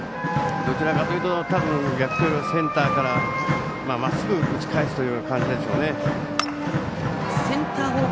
どちらかというと逆というよりセンターからまっすぐ打ち返すという感じでしょうね。